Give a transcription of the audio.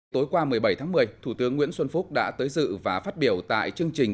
tối qua một mươi bảy tháng một mươi thủ tướng nguyễn xuân phúc đã tới dự và phát biểu tại chương trình